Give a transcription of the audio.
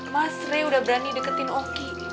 mas rey udah berani deketin oki